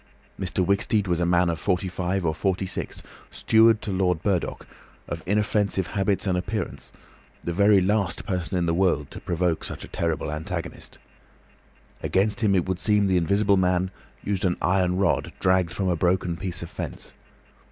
Mr. Wicksteed was a man of forty five or forty six, steward to Lord Burdock, of inoffensive habits and appearance, the very last person in the world to provoke such a terrible antagonist. Against him it would seem the Invisible Man used an iron rod dragged from a broken piece of fence.